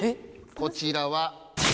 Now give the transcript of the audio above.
こちらは。